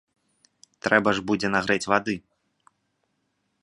Трэба ж будзе нагрэць вады.